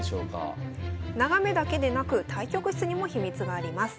眺めだけでなく対局室にも秘密があります。